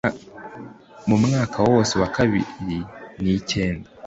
mu mwaka wose wa bibiri nikenda